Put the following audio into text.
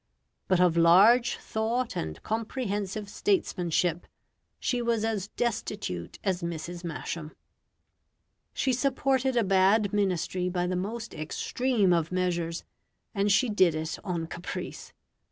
But of large thought and comprehensive statesmanship she was as destitute as Mrs. Masham. She supported a bad Ministry by the most extreme of measures, and she did it on caprice.